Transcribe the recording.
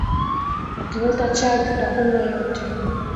Ukileta chai tutakunywa yote